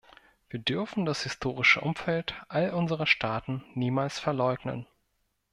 Wir dürfen das historische Umfeld all unserer Staaten niemals verleugnen.